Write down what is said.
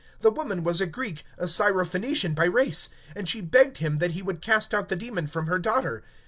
(26)The woman was a Greek, a Syrophenician by nation; and she besought him that he would cast out the demon from her daughter.